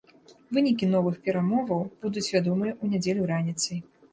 Вынікі новых перамоваў будуць вядомыя ў нядзелю раніцай.